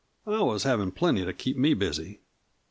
I was havin' plenty to keep me busy."